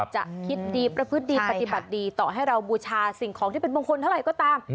จะคิดดีประพฤติดีปฏิบัติดีต่อให้เราบูชาสิ่งของที่เป็นมงคลเท่าไหร่ก็ตาม